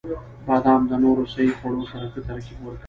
• بادام د نورو صحي خوړو سره ښه ترکیب ورکوي.